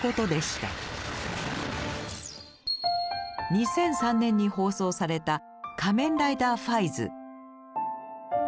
２００３年に放送された「仮面ライダー５５５」。